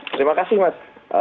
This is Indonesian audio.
terima kasih mas